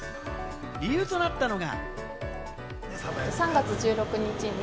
理由となったのが。